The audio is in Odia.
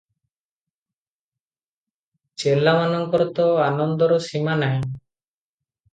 ଚେଲାମାନଙ୍କର ତ ଆନନ୍ଦର ସୀମା ନାହିଁ ।